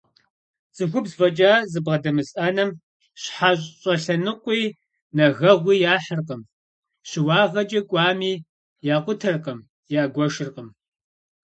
ЦӀыхубз фӀэкӀа зыбгъэдэмыс Ӏэнэм щхьэ щӀэлъэныкъуи, нэгэгъуи яхьыркъым, щыуагъэкӀэ кӀуами, якъутэркъым, ягуэшыркъым.